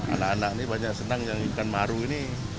anak anak ini banyak senang nyari ikan maru ini